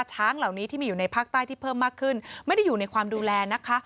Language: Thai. ช้างเหล่านี้ที่มีอยู่ในภาคใต้ที่เพิ่มมากขึ้นไม่ได้อยู่ในความดูแลนะคะ